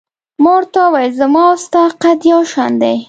ما ورته وویل: زما او ستا قد یو شان دی.